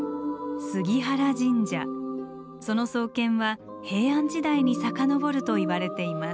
その創建は平安時代に遡るといわれています。